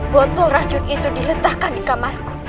botol racun itu diletakkan di kamarku